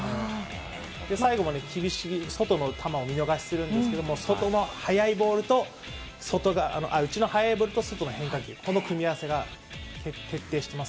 最後もね、厳しい外の球を見逃しするんですけど、外の速いボールと内の速いボールと外の変化球、この組み合わせが徹底してます。